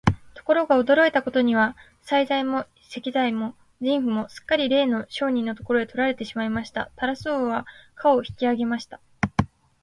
ところが、驚いたことには、材木も石材も人夫もすっかりれいの商人のところへ取られてしまいました。タラス王は価を引き上げました。